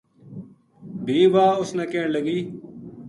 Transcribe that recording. بھی واہ اس نا کہن لگی